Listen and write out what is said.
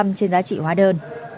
từ một đến ba trên giá trị hóa đơn